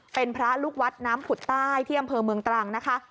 เป็นพระลูกวัดน้ำผุดใต้ที่อำเภอเมืองตรังนะคะ